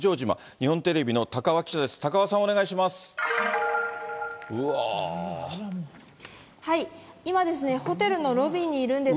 日本テレビの高和記者です。